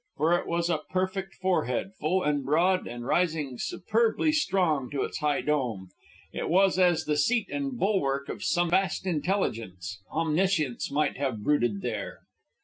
For it was a perfect forehead, full and broad, and rising superbly strong to its high dome. It was as the seat and bulwark of some vast intelligence; omniscience might have brooded there.